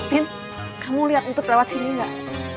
tin kamu liat untuk lewat sini gak